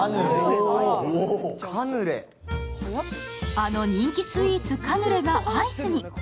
あの人気スイーツ、カヌレがアイスに。